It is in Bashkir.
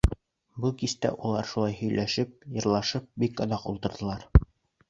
Был кисте улар шулай һөйләшеп-йырлашып бик оҙаҡ ултырҙылар.